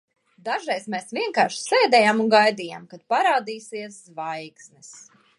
Dažreiz mēs vienkārši sēdējām un gaidījām, kad parādīsies zvaigznes.